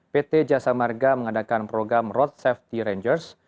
pt jasa marga mengadakan program road safety rangers